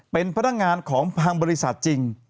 เป็นพนักงานของทางบริษัทจริง